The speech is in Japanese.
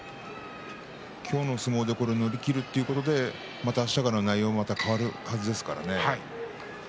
今日の相撲で乗り切るということであした、また内容が変わるはずですからね。